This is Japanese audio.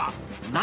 何？